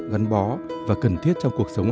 gắn bó và cần thiết trong cuộc sống